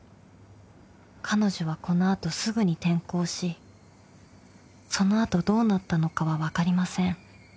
［彼女はこの後すぐに転校しその後どうなったのかは分かりません］